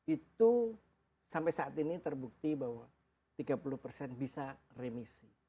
itu sampai saat ini terbukti bahwa tiga puluh persen bisa remisi